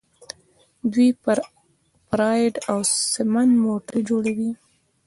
دوی پراید او سمند موټرې جوړوي.